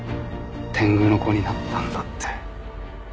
天狗の子になったんだって。